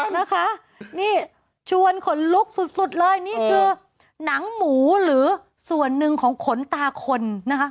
นะคะนี่ชวนขนลุกสุดเลยนี่คือหนังหมูหรือส่วนหนึ่งของขนตาคนนะคะ